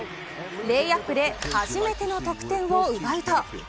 レイアップで初めての得点を奪うと。